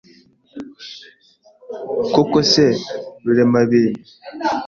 Koko se Ruremabintu